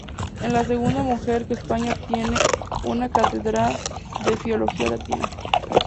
Es la segunda mujer que en España obtiene una Cátedra de Filología Latina.